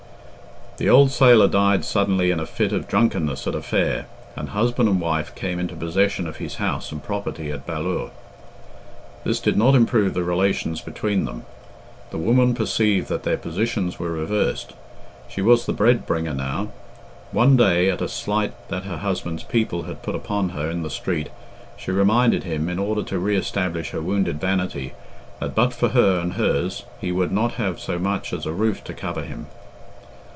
The old sailor died suddenly in a fit of drunkenness at a fair, and husband and wife came into possession of his house and property at Ballure. This did not improve the relations between them. The woman perceived that their positions were reversed. She was the bread bringer now. One day, at a slight that her husband's people had put upon her in the street, she reminded him, in order to re establish her wounded vanity, that but for her and hers he would not have so much as a roof to cover him.